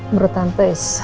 menurut tante is